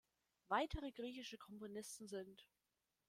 Weitere griechische Komponisten sind